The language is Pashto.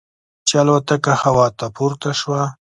چې الوتکه هوا ته پورته شوه.